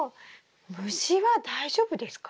虫は大丈夫ですか？